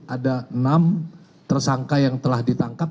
ada enam tersangka yang telah ditangkap